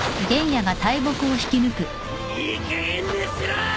いいかげんにしろ！